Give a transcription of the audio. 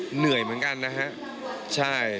เหนื่อยเหมือนกันนะฮะใช่